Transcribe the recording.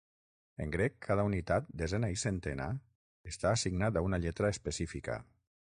En grec, cada unitat, desena i centena està assignat a una lletra específica.